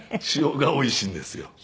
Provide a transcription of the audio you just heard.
塩がおいしいんですよ。